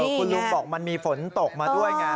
คุณลุงบอกมันมีฝนตกมาด้วยไง